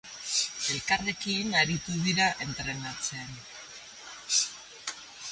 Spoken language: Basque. Elkarrekin aritu dira entrenatzen.